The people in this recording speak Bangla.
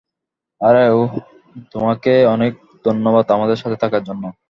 আরে, উহ, তোমাকে অনেক ধন্যবাদ আমাদের সাথে থাকার জন্য।